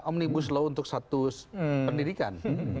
omnibus law untuk satu pendidikan